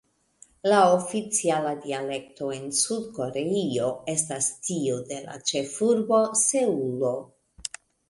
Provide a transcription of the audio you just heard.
La oficiala dialekto en Sud-Koreio estas tiu de la ĉefurbo Seulo.